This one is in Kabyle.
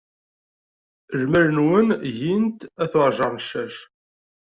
Lmal-nwen gint at uɛjar n ccac.